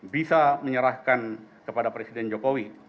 bisa menyerahkan kepada presiden jokowi